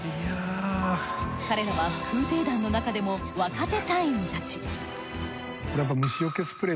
彼らは空挺団のなかでも若手隊員たち。